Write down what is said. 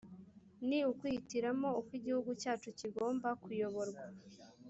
ni ukwihitiramo uko igihugu cyacu kigomba kuyoborwa